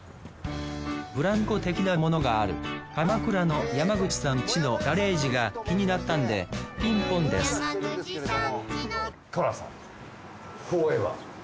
ブランコ的なものがある鎌倉の山口さんちのガレージが気になったんでピンポンです寅さんフォーエバー。